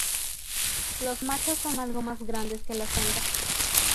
Los machos son algo más grandes que las hembras.